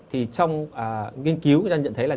trong nghiên cứu chúng ta nhận thấy